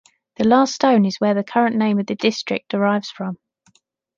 The last stone is where the current name of the district derives from.